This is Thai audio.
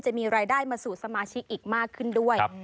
จะมีรายได้มาสู่สมาชิกอีกมากขึ้นด้วย